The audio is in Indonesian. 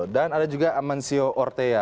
dan ada juga amancio ortega